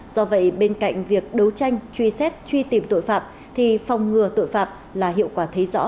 do vậy bên cạnh việc đấu tranh truy xét truy tìm tội phạm thì phòng ngừa tội phạm là hiệu quả thấy rõ